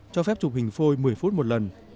cho phép chụp hình phôi một mươi phút một lần